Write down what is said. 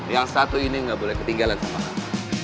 yang satu ini gak boleh ketinggalan sama kamu